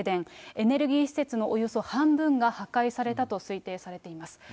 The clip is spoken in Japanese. エネルギー施設のおよそ半分が破壊されたと推定されています。